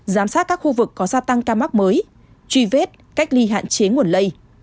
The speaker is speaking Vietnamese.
giám sát các khu vực có gia tăng ca mắc mới truy vết cách ly hạn chế nguồn lây